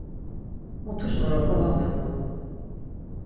Mutuş oropa var miğun.